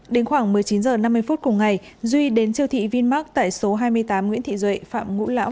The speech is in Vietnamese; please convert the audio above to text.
đến khoảng một mươi chín h năm mươi phút cùng ngày duy đến siêu thị vinmark tại số hai mươi tám nguyễn thị duệ phạm ngũ lão